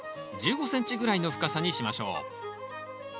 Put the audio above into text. １５ｃｍぐらいの深さにしましょう。